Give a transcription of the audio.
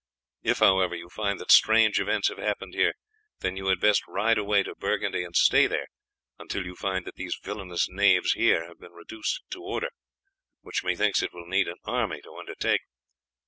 If, however, you find that strange events have happened here, then you had best ride away to Burgundy and stay there until you find that these villainous knaves here have been reduced to order, which methinks it will need an army to undertake."